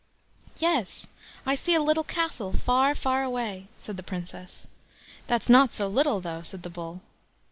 "Yes, I see a little castle far, far away", said the Princess. "That's not so little though", said the Bull.